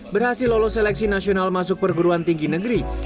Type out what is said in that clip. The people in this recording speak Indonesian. berhasil lolos seleksi nasional masuk perguruan tinggi negeri